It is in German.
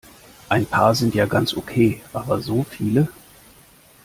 Ein paar sind ja ganz okay, aber so viele?